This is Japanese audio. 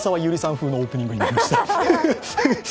風のオープニングになりました。